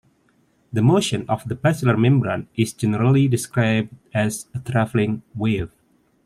The motion of the basilar membrane is generally described as a traveling wave.